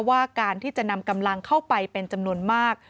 ว่าการที่จะนำกำลังเข้าไปเป็นจำนวนมาก